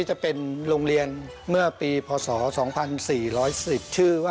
อ่า